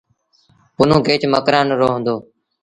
پنهون ڪيچ مڪرآݩ رو هُݩدو۔